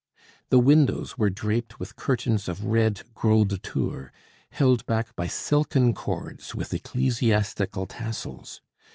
The windows were draped with curtains of red gros de Tours held back by silken cords with ecclesiastical tassels.